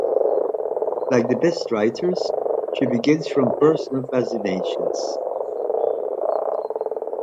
Like the best writers, she begins from personal fascinations.